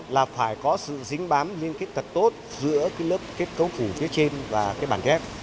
là phải có sự dính bám liên kết thật tốt giữa lớp kết cấu phủ phía trên và bàn ghép